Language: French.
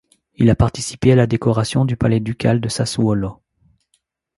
Il a participé à la décoration du palais ducal de Sassuolo.